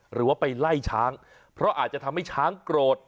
หรือว่าไปไล่ช้างเพราะอาจจะทำให้ช้างโกรธ